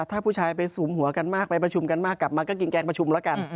ถ้าผู้ชายไปสูมหัวกันมากไปประชุมกันมากกลับมาก็กินแกงประชุมแล้วกัน